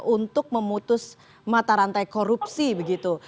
untuk memutus mata rantai korupsi begitu